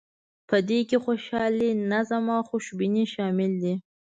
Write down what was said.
په دې کې خوشحالي، نظم او خوشبیني شامل دي.